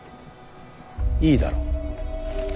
いいだろう。